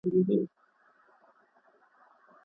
ما په خپله کتابچه کي یو ښکلی بیت لیکلی دی.